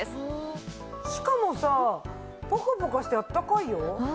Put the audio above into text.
しかもさポカポカしてあったかいよ。